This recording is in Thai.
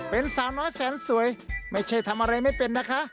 เป็นสาวน้อยแสนสวยไม่ใช่ทำอะไรไม่เป็นนะคะ